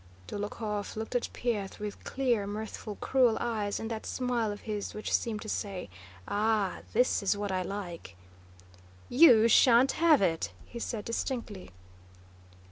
Dólokhov looked at Pierre with clear, mirthful, cruel eyes, and that smile of his which seemed to say, "Ah! This is what I like!" "You shan't have it!" he said distinctly.